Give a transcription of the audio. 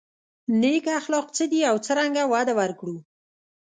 نېک اخلاق څه دي او څرنګه وده ورکړو.